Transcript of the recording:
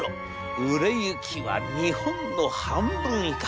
売れ行きは日本の半分以下。